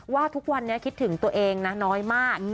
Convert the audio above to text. ว่าทุกวันนี้คิดถึงตัวเองนะน้อยมาก